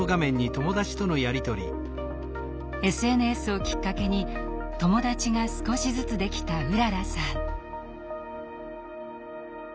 ＳＮＳをきっかけに友達が少しずつできたうららさん。